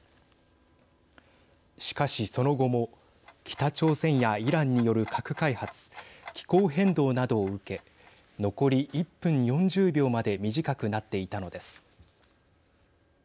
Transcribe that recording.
しかし、その後も北朝鮮やイランによる核開発気候変動などを受け残り１分４０秒まで短くなっていたのです。